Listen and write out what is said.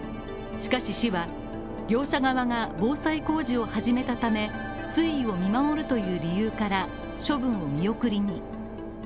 しかし市は業者側が防災工事を始めたため推移を見守るという理由から処分を見送りに。